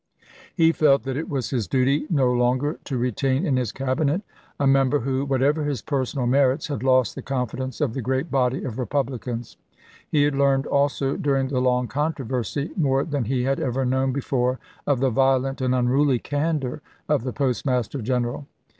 He felt that it was his dnty no longer to retain in his Cabinet a member who, whatever his personal merits, had lost the confidence of the great body of Kepublicans. He had learned also during the long controversy more than he had ever known before of the violent and unruly candor of the Postmaster General.